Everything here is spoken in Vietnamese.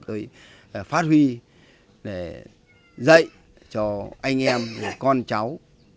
tôi phát huy để dạy cho anh em con cháu